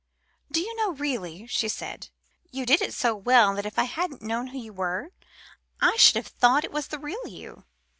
"Do you know, really," she said, "you did it so well that if I hadn't known who you were, I should have thought it was the real you.